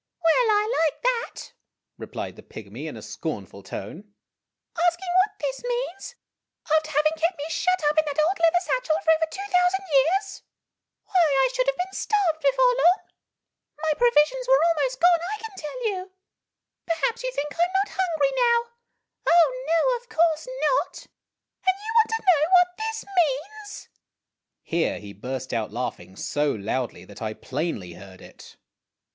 "Well ! I like that," replied the pygmy in a scornful tone ;" ask ing what this means, after having kept me shut up in that old leather satchel for over two thousand years ! Why, I should have been starved before long ; my provisions were almost gone, I can tell you ! Perhaps you think I 'm not hungry now ? Oh, no ! of course not! and you want to know what this means?" Here he burst out laughing so loudly that I plainly heard it.